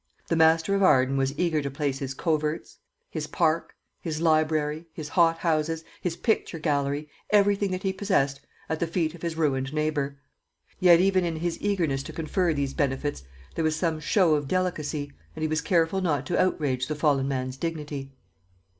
The master of Arden was eager to place his coverts, his park, his library, his hot houses, his picture gallery everything that he possessed at the feet of his ruined neighbour. Yet even in his eagerness to confer these benefits there was some show of delicacy, and he was careful not to outrage the fallen man's dignity.